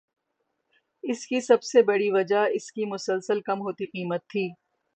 اس کی سب سے بڑی وجہ اس کی مسلسل کم ہوتی قیمت تھی